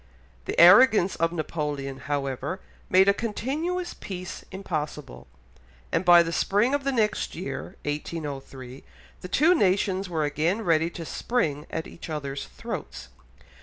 The arrogance of Napoleon, however, made a continuous peace impossible, and by the spring of the next year (1803) the two nations were again ready to spring at each other's throats.